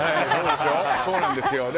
そうなんですよ。